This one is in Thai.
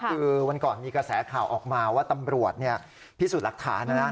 คือวันก่อนมีกระแสข่าวออกมาว่าตำรวจพิสูจน์หลักฐานนะนะ